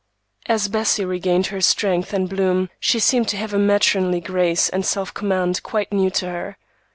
As Bessie regained her strength and bloom, she seemed to have a matronly grace and self command quite new to her.